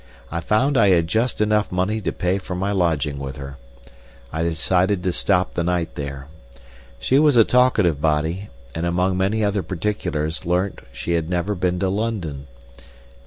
I found I had just enough money to pay for my lodging with her. I decided to stop the night there. She was a talkative body, and among many other particulars I learnt she had never been to London.